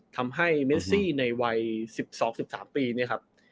ทำให้เมซี่ในวัย๑๒๑๓ปีเนี่ยครับ